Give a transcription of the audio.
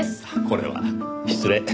これは失礼。